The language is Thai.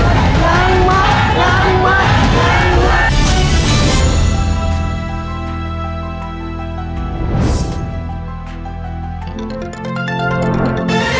รับหมัน